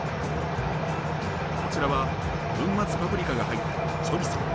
こちらは粉末パプリカが入ったチョリソー。